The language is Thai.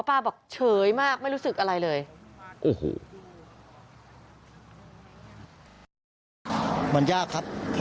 พ่อก็คิดว่ามันยาก